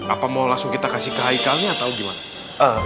apa mau langsung kita kasih ke haikalnya atau gimana